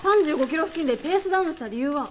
３５キロ付近でペースダウンした理由は？